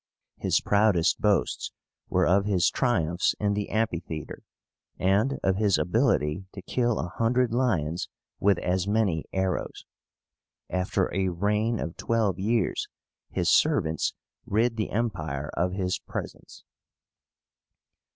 His proudest boasts were of his triumphs in the amphitheatre, and of his ability to kill a hundred lions with as many arrows. After a reign of twelve years his servants rid the Empire of his presence.